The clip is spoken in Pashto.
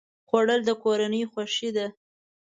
خوړل د کورنۍ خوښي ده